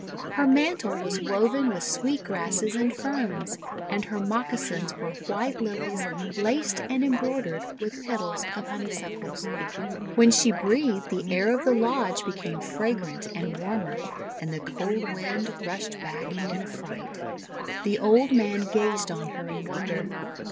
Her mantle was woven with sweet grasses and ferns, and her moccasins were white Lilies laced and embroidered with petals of Honeysuckles. When she breathed, the air of the lodge became fragrant and warmer, and the cold wind rushed back in affright. The old man gazed on her in wonder.